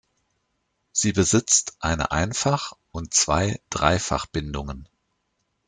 Sie besitzt eine Einfach- und zwei Dreifachbindungen.